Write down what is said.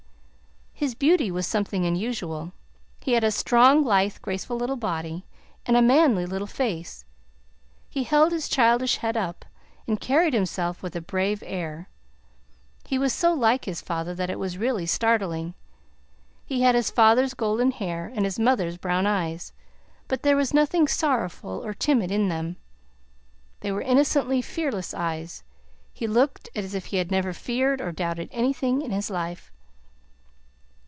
His beauty was something unusual. He had a strong, lithe, graceful little body and a manly little face; he held his childish head up, and carried himself with a brave air; he was so like his father that it was really startling; he had his father's golden hair and his mother's brown eyes, but there was nothing sorrowful or timid in them. They were innocently fearless eyes; he looked as if he had never feared or doubted anything in his life.